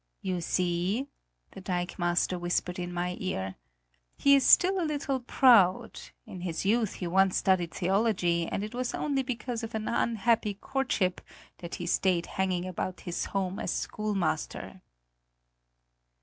"You see," the dikemaster whispered in my ear, "he is still a little proud; in his youth he once studied theology and it was only because of an unhappy courtship that he stayed hanging about his home as schoolmaster."